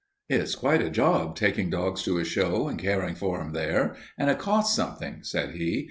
"It's quite a job, taking dogs to a show and caring for them there, and it costs something," said he.